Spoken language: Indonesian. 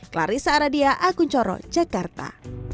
clarissa aradia akun coro jakarta